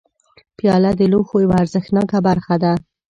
پیاله د لوښو یوه ارزښتناکه برخه ده.